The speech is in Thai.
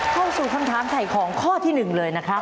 เข้าสู่คำถามถ่ายของข้อที่๑เลยนะครับ